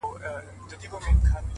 يو بيده بل بيده نه سي ويښولاى.